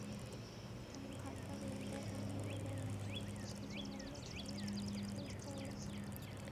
তাঁর ভাইপার লেদারে অন্যান্যদের মতো বেশ কিছু মূল্য ছাড়ের ব্যবস্থা রয়েছে।